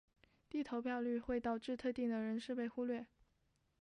低投票率会导致特定的人士被忽略。